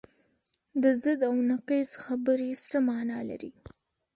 دا ضد و نقیض خبرې څه معنی لري؟